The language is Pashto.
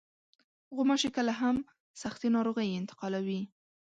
غوماشې کله هم سختې ناروغۍ انتقالوي.